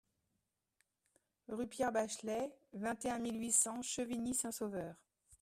Rue Pierre Bachelet, vingt et un mille huit cents Chevigny-Saint-Sauveur